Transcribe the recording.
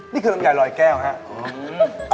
นี่คือลำไยรอยแก้วฮะ